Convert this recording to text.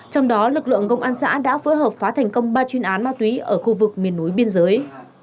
trong đó lực lượng công an xã đã phối hợp phá thành công ba chuyên án ma túy ở khu vực miền núi biên giới